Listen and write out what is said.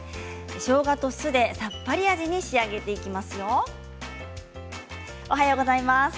しょうがとお酢でさっぱり味に仕上げていきます。